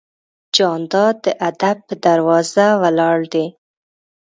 جانداد د ادب په دروازه ولاړ دی.